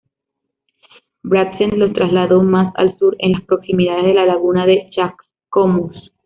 Brandsen, lo trasladó más al sur, en las proximidades de la laguna de Chascomús.